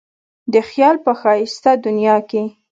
د خیال په ښایسته دنیا کې.